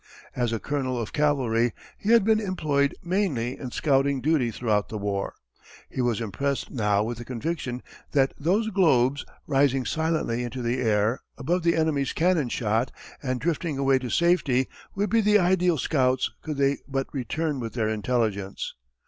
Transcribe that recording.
As a colonel of cavalry, he had been employed mainly in scouting duty throughout the war. He was impressed now with the conviction that those globes, rising silently into the air, above the enemy's cannon shot and drifting away to safety would be the ideal scouts could they but return with their intelligence.